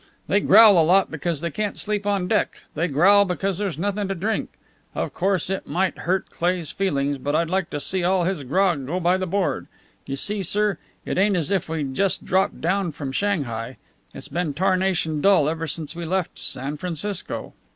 They growl a lot because they can't sleep on deck. They growl because there's nothing to drink. Of course it might hurt Cleigh's feelings, but I'd like to see all his grog go by the board. You see, sir, it ain't as if we'd just dropped down from Shanghai. It's been tarnation dull ever since we left San Francisco."